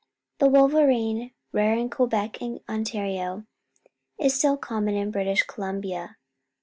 The wolverine, rare in Quebec and Ontario, is still common in British Columbia.